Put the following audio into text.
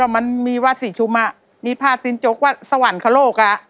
ผ้าตีนจกวัดศรีชุมมีผ้าตีนจกวัดศรีชุมว่าสวรรคโลก